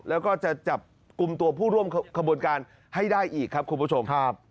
แล้วก็จะจับกลุ่มตัวผู้ร่วมขบวนการให้ได้อีกครับคุณผู้ชมครับ